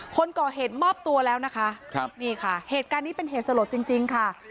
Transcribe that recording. คนก่อเหตุมอบตัวแล้วนะคะครับนี่ค่ะเหตุการณ์นี้เป็นเหตุสลดจริงค่ะ